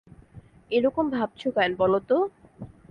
এরকম ভাবছ কেন বলো তো?